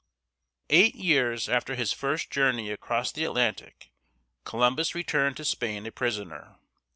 Eight years after his first journey across the Atlantic Columbus returned to Spain a prisoner!